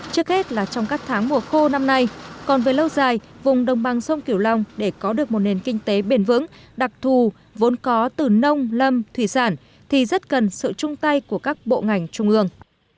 trước hết là trong các tháng mùa khô năm nay còn về lâu dài vùng đồng bằng sông kiểu long để có được một nền kinh tế bền vững đặc thù vốn có từ nông lâm thủy sản thì rất cần sự chung tay của các bộ ngành trung ương